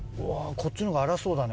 こっちのほうが荒そうだね。